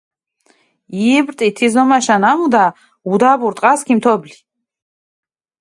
იპრტი თი ზომაშა ნამუდა, უდაბურ ტყას ქიმთობლი.